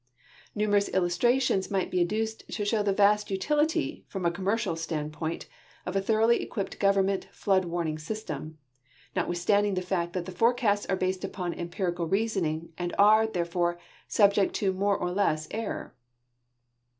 Numerous illustrations might be adduced to shoAV the vast utility, from a commercial stand point, of a thoroughly equipped Government flood Avarning sys tem, notAvithstanding the fact that the forecasts are based upon empirical reasoning, and are, therefore, subject to more or less error.